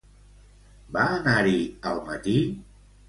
Va anar-hi al matí?